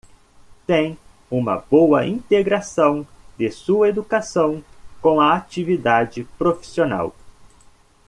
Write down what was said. Tem uma boa integração de sua educação com a atividade profissional.